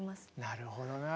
なるほどね。